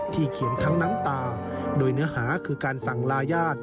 เขียนทั้งน้ำตาโดยเนื้อหาคือการสั่งลาญาติ